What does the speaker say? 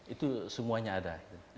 itu semuanya ada